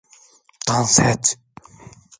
Dans et!